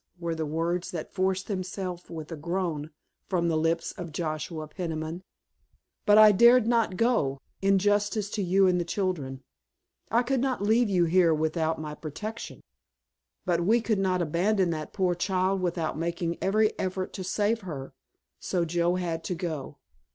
were the words that forced themselves with a groan from the lips of Joshua Peniman. "But I dared not go—in justice to you and the children. I could not leave you here without my protection. But we could not abandon that poor child without making every effort to save her, so Joe had to go.